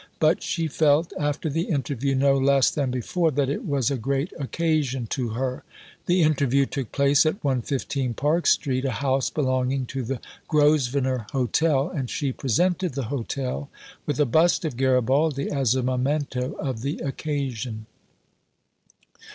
But she felt, after the interview no less than before, that it was a great occasion to her. The interview took place at 115 Park Street, a house belonging to the Grosvenor Hotel, and she presented the Hotel with a bust of Garibaldi as a memento of the occasion.